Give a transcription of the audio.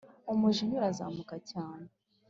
umujinya urazamuka cyane...